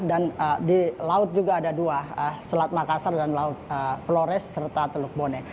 dan di laut juga ada dua selat makassar dan laut flores serta teluk boneh